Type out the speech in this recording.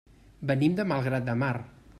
Venim de Malgrat de Mar.